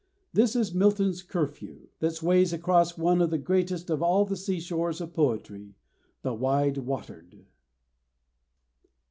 This is Milton's curfew, that sways across one of the greatest of all the seashores of poetry "the wide watered."